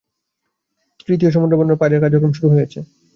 তৃতীয় সমুদ্রবন্দর পায়রার কার্যক্রম শুরু হয়েছে।